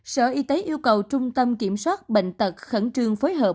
sở y tế yêu cầu trung tâm kiểm soát bệnh tật khẩn trương phối hợp